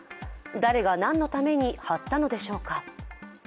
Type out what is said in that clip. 誰が何のために貼ったのでしょうか。